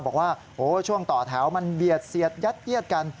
บอกว่าช่วงต่อแถวมันเบียดเสียดยัดเยียดกัน